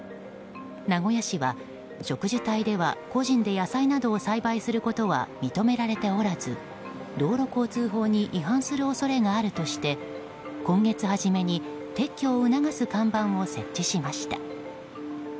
名古屋市は、植樹帯では個人で野菜などを栽培することは認められておらず道路交通法に違反する恐れがあるとして今月初めに撤去を促す看板を設置しました。